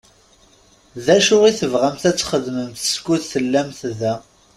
D acu i tebɣamt ad t-txedmemt skud tellamt da?